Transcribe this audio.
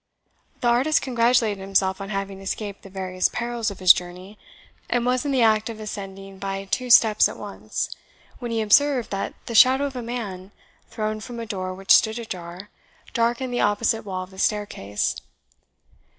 The artist congratulated himself on having escaped the various perils of his journey, and was in the act of ascending by two steps at once, when he observed that the shadow of a man, thrown from a door which stood ajar, darkened the opposite wall of the staircase.